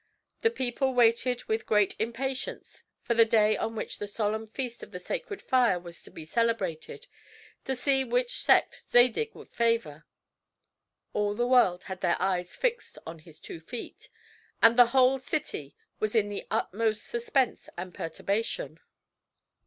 The people waited with great impatience for the day on which the solemn feast of the sacred fire was to be celebrated, to see which sect Zadig would favor. All the world had their eyes fixed on his two feet, and the whole city was in the utmost suspense and perturbation.